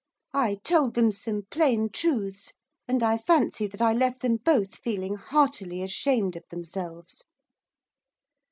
I told them some plain truths; and I fancy that I left them both feeling heartily ashamed of themselves.